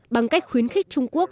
bằng cách khuyến khích trung quốc